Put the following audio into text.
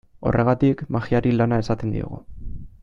Horregatik, magiari lana esaten diogu.